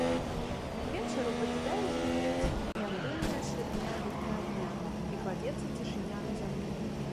К вечару пакідае звінець неабдымная шырыня летняга дня, і кладзецца цішыня на зямлю.